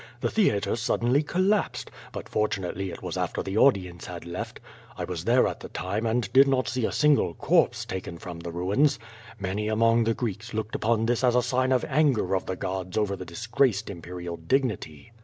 The theatre suddenly collajised, hut fortunately it was after the audience had left. 1 was there at the time, and did not see a single corpse taken from the ruins. Many among the Greeks looked upon this as a sign of anger of the gods over the disgraced imperial dignity.